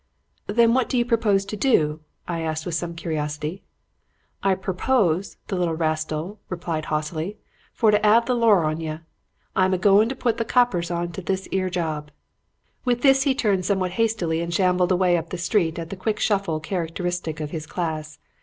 "'Then what do you propose to do?' I asked with some curiosity. "'I perpose,' the little wastrel replied haughtily, 'for to 'ave the loar on yer. I'm a goin' to put the coppers on to this 'ere job.' "With this he turned somewhat hastily and shambled away up the street at the quick shuffle characteristic of his class.